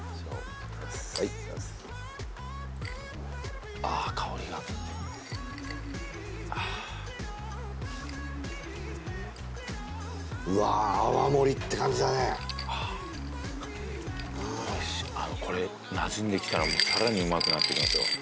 はいあ香りがああああおいしいこれなじんできたらさらにうまくなってきますよ